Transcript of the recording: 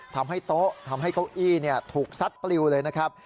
ทำให้โต๊ะทำให้เก้าอี้ถูกซัดปลิวเลยนะครับ